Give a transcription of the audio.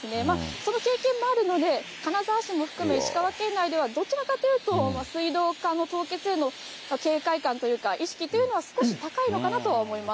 その経験もあるので、金沢市も含め、石川県内ではどちらかというと水道管の凍結への警戒感というか、意識というのは少し高いのかなとは思います。